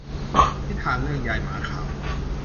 นิทานเรื่องยายหมาขาว